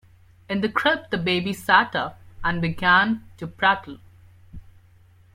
In the crib the baby sat up and began to prattle.